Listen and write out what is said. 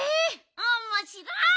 おもしろい！